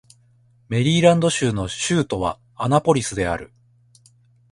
メリーランド州の州都はアナポリスである